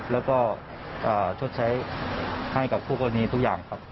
แล้วก็ชดใช้ให้กับคู่กรณีทุกอย่างครับ